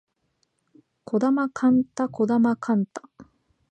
児玉幹太児玉幹太